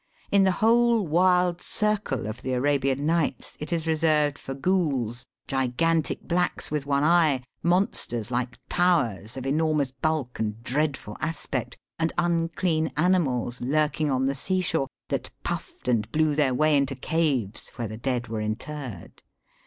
In the whole wild circle of the Arabian Nights, it is reserved for ghoules, gigantic blacks with one eye, monsters like towers, of enormous bulk and dreadful aspect, and unclean animals lurking on the seashore, that puffed and blew their way into caves where the dead were interred.